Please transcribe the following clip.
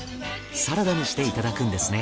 サラダにしていただくんですね。